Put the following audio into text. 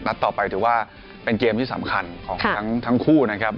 ต่อไปถือว่าเป็นเกมที่สำคัญของทั้งคู่นะครับ